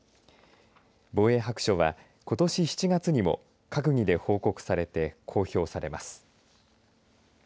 防衛白書は、ことし７月にも閣議で報告されて公表されます。